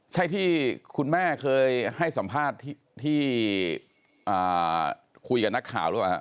ใช่ที่คุณแม่เคยให้สัมภาษณ์ที่คุยกับนักข่าวหรือเปล่า